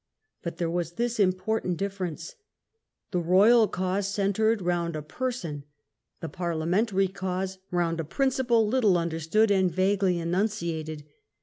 But there was this important difference. The Royal cause centred round a person, the Parliamentary cause round a principle little understood and vaguely enunciated.